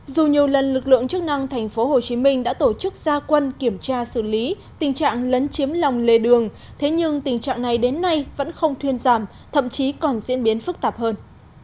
dù nhiều lần lực lượng chức năng tp hcm đã tổ chức gia quân kiểm tra xử lý tình trạng lấn chiếm lòng lề đường thế nhưng tình trạng này đến nay vẫn không thuyên giảm thậm chí còn diễn biến phức tạp hơn